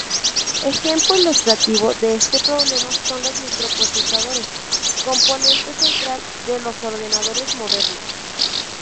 Ejemplo ilustrativo de este problema son los microprocesadores, componente central de los ordenadores modernos.